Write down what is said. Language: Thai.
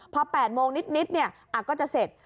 พอ๘โมงนิดเนี่ยก็จะเสร็จ